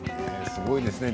すごいですね。